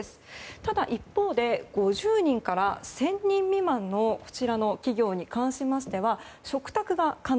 ただ一方で５０人から１０００人未満の企業に関しましては嘱託が可能。